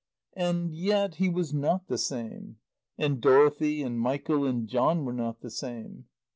And yet he was not the same. And Dorothy, and Michael and John were not the same.